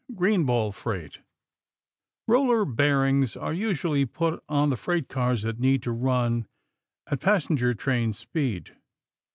GREENBALL FREIGHT Roller bearings are usually put on the freight cars that need to run at passenger train speed.